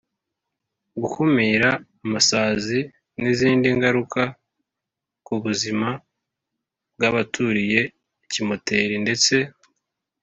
Gukumira amasazi n izindi ngaruka ku buzima bw abaturiye ikimoteri ndetse